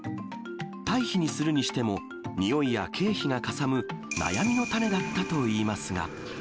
堆肥にするにしても、臭いや経費がかさむ悩みの種だったといいますが。